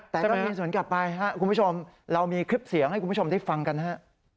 แต่เรามีสวนกลับไปครับคุณผู้ชมเรามีคลิปเสียงให้คุณผู้ชมได้ฟังกันฮะ